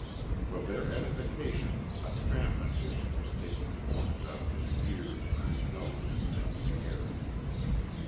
For their edification, a tramp magician was taking coins out of his ears, his nose and the air.